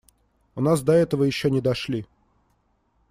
У нас до этого еще не дошли.